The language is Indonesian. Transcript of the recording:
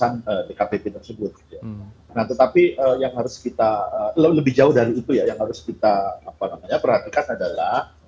nah tetapi yang harus kita lebih jauh dari itu ya yang harus kita perhatikan adalah